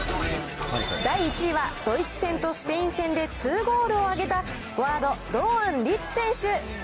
第１位は、ドイツ戦とスペイン戦で２ゴールを挙げた、フォワード、堂安律選手。